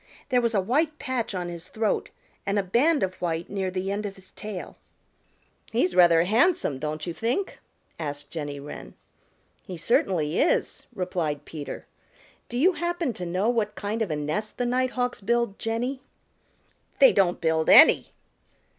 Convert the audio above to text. There was a white patch on his throat and a band of white near the end of his tail. "He's rather handsome, don't you think?" asked Jenny Wren. "He certainly is," replied Peter. "Do you happen to know what kind of a nest the Nighthawks build, Jenny?" "They don't build any."